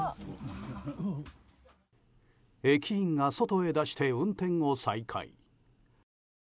駅員が外へ出して運転を再開。